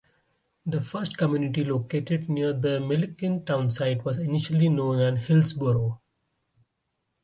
The first community located near the Milliken townsite was initially known as Hillsboro.